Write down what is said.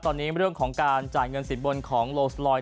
ตอนนี้เรื่องของการจ่ายเงินสินบนของโลสลอยด